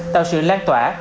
tạo sự lan tỏa